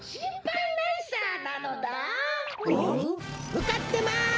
むかってます！